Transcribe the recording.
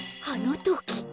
あのとき！